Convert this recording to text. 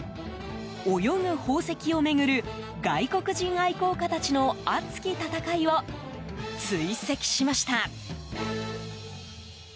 泳ぐ宝石を巡る外国人愛好家たちの熱き戦いを追跡しました！